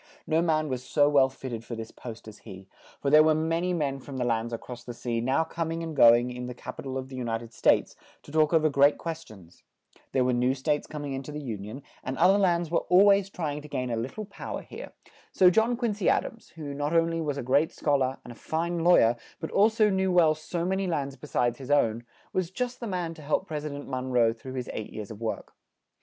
No man was so well fit ted for this post as he; for there were ma ny men from the lands a cross the sea, now com ing and go ing in the cap i tal of the U nit ed States, to talk o ver great ques tions; there were new states com ing in to the Un i on; and oth er lands were al ways try ing to gain a lit tle pow er here; so John Quin cy Ad ams, who not on ly was a great schol ar, and a fine law yer, but al so knew well so ma ny lands be sides his own, was just the man to help Pres i dent Mon roe through his eight years of work.